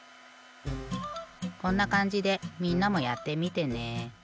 こんなかんじでみんなもやってみてね。